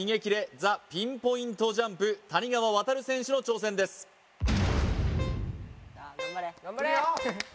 ＴＨＥピンポイントジャンプ谷川航選手の挑戦ですさあ